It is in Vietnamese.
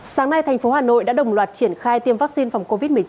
sáng nay thành phố hà nội đã đồng loạt triển khai tiêm vaccine phòng covid một mươi chín